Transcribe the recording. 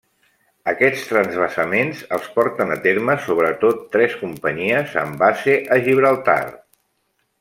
Aquests transvasaments els porten a terme sobretot tres companyies amb base a Gibraltar.